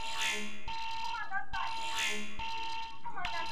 لیکل سوې خبري تل حقیقت نه بیانوي.